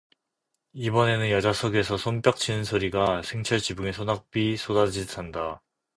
이번에는 여자석에서 손뼉치는 소리가 생철 지붕에 소낙비 쏟아지듯 한다.